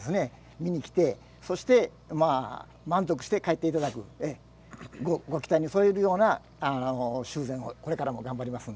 見に来ていただいて満足して帰っていただくご期待に沿えるような修繕をこれからも頑張ります。